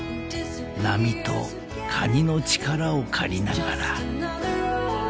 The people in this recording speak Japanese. ［波とカニの力を借りながら］